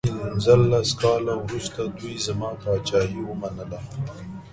پنځلس کاله وروسته دوی زما پاچهي ومنله.